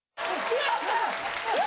やったー！